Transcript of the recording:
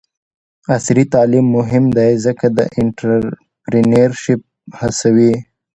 عصري تعلیم مهم دی ځکه چې د انټرپرینرشپ هڅوي.